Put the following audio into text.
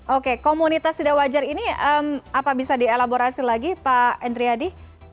oke komunitas tidak wajar ini apa bisa dielaborasi lagi pak endriadi